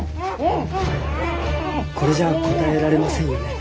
これじゃあ答えられませんよね。